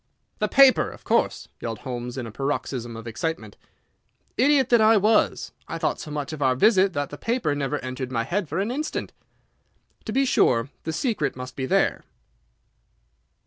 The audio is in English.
"The paper! Of course!" yelled Holmes, in a paroxysm of excitement. "Idiot that I was! I thought so much of our visit that the paper never entered my head for an instant. To be sure, the secret must be there."